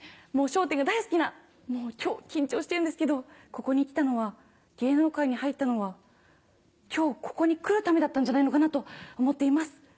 『笑点』が大好きなもう今日緊張してるんですけどここに来たのは芸能界に入ったのは今日ここに来るためだったんじゃないのかなと思っています。